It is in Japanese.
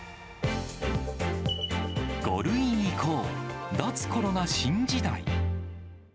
５類移行、脱コロナ新時代。